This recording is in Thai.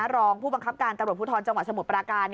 รองผู้บังคับการตำรวจภูทรจังหวัดสมุทรปราการ